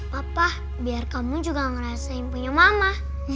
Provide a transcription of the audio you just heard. papa biar kamu juga ngerasain punya mama